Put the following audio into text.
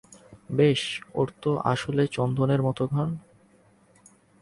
বেশ, ওর গায়ে আসলেই চন্দনের মতো ঘ্রাণ।